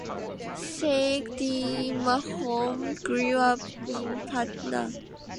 Sake Dean Mahomed grew up in Patna.